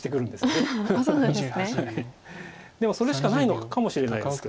でもそれしかないのかもしれないです。